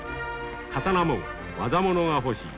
刀も業物が欲しい」。